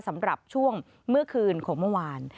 สำหรับช่วงเมื่อคืนของเมื่อวาน